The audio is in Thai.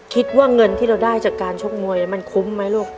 คิดว่าเงินที่เราได้จากการชกมวยมันคุ้มไหมลูก